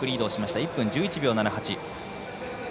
１分１１秒７８。